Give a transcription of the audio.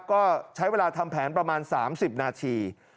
ก็ใช้เวลาทำแผนประมาณ๓๐นาที